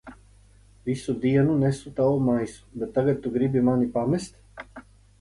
Es visu dienu nesu tavu maisu, bet tagad tu gribi mani pamest?